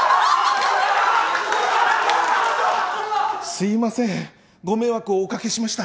すいませんご迷惑をおかけしました。